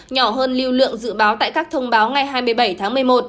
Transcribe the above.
nhỏ hơn lưu lượng dự báo tại các thông báo ngày hai mươi bảy tháng một mươi một